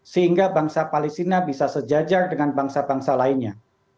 sehingga bangsa palestina bisa sejajar dengan bangsa bangsa lainnya